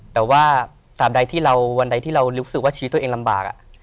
แต่ว่าตามใดที่เราวันใดที่เรารู้สึกว่าชีวิตตัวเองลำบาก